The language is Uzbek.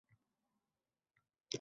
Ammo netay